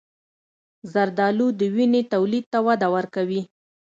زردآلو د وینې تولید ته وده ورکوي.